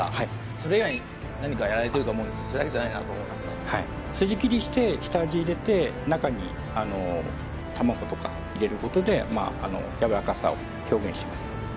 それ以外に何かやられているとそれだけじゃないと思うんですねはい筋切りして下味入れて中にあの卵とか入れることでまああのやわらかさを表現してます